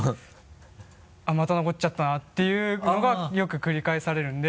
あっまた残っちゃったなていうのがよく繰り返されるので。